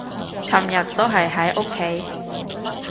尋日都係喺屋企